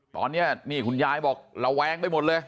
ตอนนี้นี่คุณยายบอกระแวงไปหมดเลย